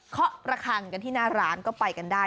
เขาระคังกันที่หน้าร้านก็ไปกันได้